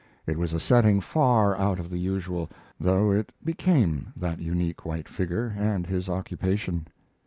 It was a setting far out of the usual, though it became that unique white figure and his occupation.